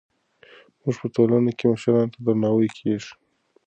زموږ په ټولنه کې مشرانو ته درناوی کېږي.